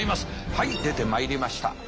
はい出てまいりました。